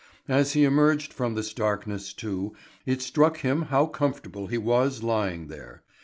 As he emerged from this darkness, too, it struck him how comfortable he was lying there.